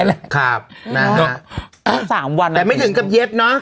แหละครับนอวิวิวีธีสามวันแต่ไม่ถึงกับเยบเนอะ